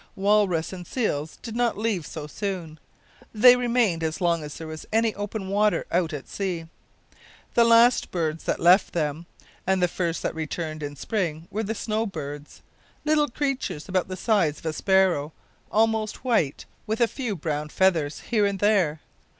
Walrus and seals did not leave so soon. They remained as long as there was any open water out at sea. The last birds that left them, (and the first that returned in spring) were the "snow birds" little creatures about the size of a sparrow, almost white, with a few brown feathers here and there.